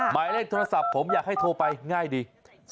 หมายเลขโทรศัพท์ผมอยากให้โทรไปง่ายดี